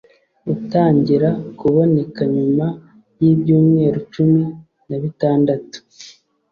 utangira kuboneka nyuma y'ibyumweru cumi nabitandatu